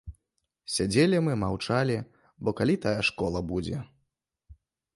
Сядзелі мы, маўчалі, бо калі тая школа будзе.